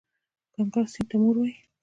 ګنګا سیند ته مور وايي.